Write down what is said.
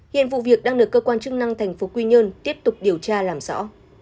hiện vụ việc đang được cơ quan chức năng tp quy nhơn tiếp tục điều tra làm rõ